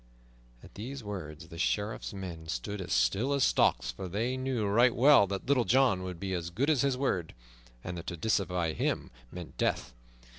At these words the Sheriff's men stood as still as stocks, for they knew right well that Little John would be as good as his word, and that to disobey him meant death.